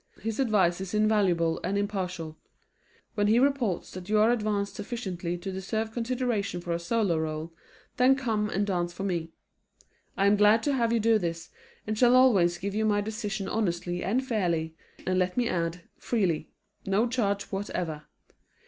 His advice is invaluable and impartial. When he reports that you are advanced sufficiently to deserve consideration for a solo role, then come and dance for me. I am glad to have you do this, and shall always give you my decision honestly and fairly, and let me add, freely no charge whatever.